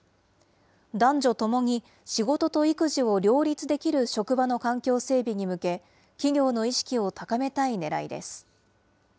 男女ともに、仕事と育児を両立できる職場の環境整備に向け、企業の意識を高めたいねらいです。